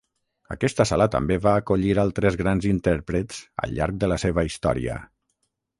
Aquesta sala també va acollir altres grans intèrprets al llarg de la seva història.